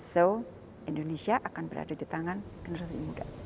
so indonesia akan berada di tangan generasi muda